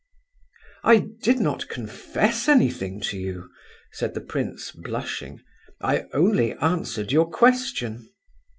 "I did not confess anything to you," said the prince, blushing. "I only answered your question."